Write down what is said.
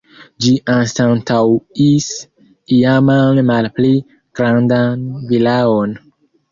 Ĝi anstataŭis iaman malpli grandan vilaon.